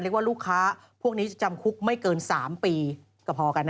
ว่าลูกค้าพวกนี้จะจำคุกไม่เกิน๓ปีก็พอกันนะ